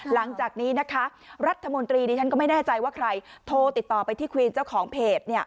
หลังจากนี้นะคะรัฐมนตรีดิฉันก็ไม่แน่ใจว่าใครโทรติดต่อไปที่ควีนเจ้าของเพจ